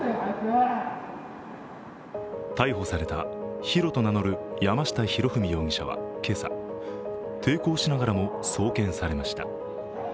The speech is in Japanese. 逮捕されたヒロと名乗る山下裕史容疑者は今朝、抵抗しながらも送検されました。